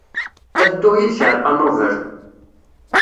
Ad dduɣ yid-k ɣer Hanover.